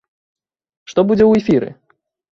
Што будзе ў эфіры?